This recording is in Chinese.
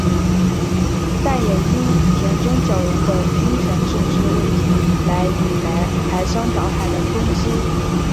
但也因田中角荣的金权政治问题来引来排山倒海的攻击。